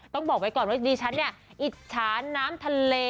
ต้องบอกไปก่อนขนาดนี้ฉันเนี่ยอิชาน้ำทะเล